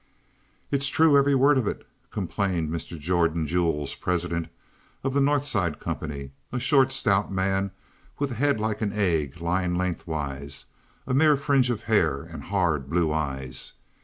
"It's true, every word of it," complained Mr. Jordan Jules, president of the North Side company, a short, stout man with a head like an egg lying lengthwise, a mere fringe of hair, and hard, blue eyes.